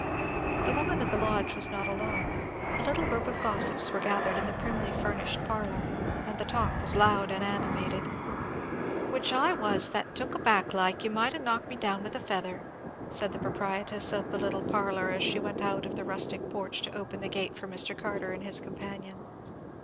The woman at the lodge was not alone; a little group of gossips were gathered in the primly furnished parlour, and the talk was loud and animated. "Which I was that took aback like, you might have knocked me down with a feather," said the proprietress of the little parlour, as she went out of the rustic porch to open the gate for Mr. Carter and his companion.